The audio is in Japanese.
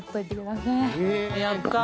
やった。